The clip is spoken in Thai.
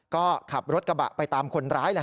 ก็ขับรถกระบะไปตามคนร้าย